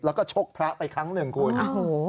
แล้วก็ชกพระไปครั้งหนึ่งคุณโอ้โห